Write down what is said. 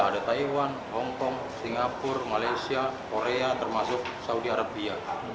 ada taiwan hongkong singapura malaysia korea termasuk saudi arabia